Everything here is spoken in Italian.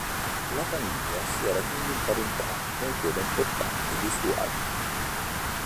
La famiglia si era quindi imparentata con quella importante dei Suardi.